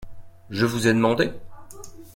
Je vous ai demandé ?